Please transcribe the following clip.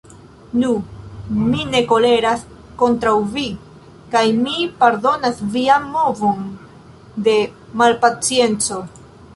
Nu, mi ne koleras kontraŭ vi, kaj mi pardonas vian movon de malpacienco.